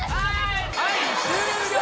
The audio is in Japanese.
はい終了！